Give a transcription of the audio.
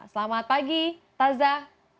selamat pagi tazah